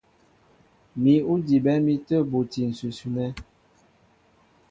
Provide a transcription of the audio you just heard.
Mǐ' ó dibɛ mi tə̂ buti ǹsʉsʉ nɛ́.